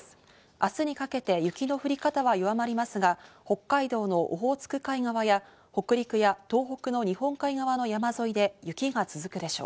明日にかけて雪の降り方は弱まりますが、北海道のオホーツク海側や北陸や東北の日本海側の山沿いで雪が続くでしょう。